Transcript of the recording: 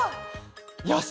よし！